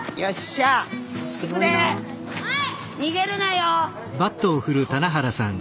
・はい！